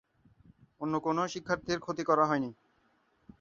অন্য কোনও শিক্ষার্থীর ক্ষতি করা হয়নি।